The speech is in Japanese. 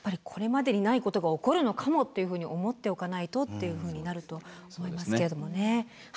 これまでにないことが起こるのかもというふうに思っておかないとっていうふうになると思いますけれどもね。